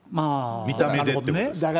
見た目でってことですか？